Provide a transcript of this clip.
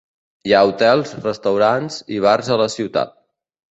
Hi ha hotels, restaurants i bars a la ciutat.